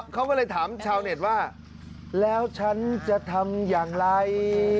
เขาก็เลยถามชาวเน็ตว่าแล้วฉันจะทำอย่างไร